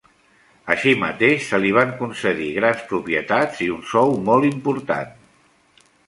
Així mateix se li van concedir grans propietats i un sou molt important.